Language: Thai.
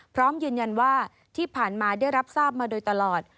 พร้อมยืนยันว่าที่ผ่านมาได้รับทราบมาโดยตลอด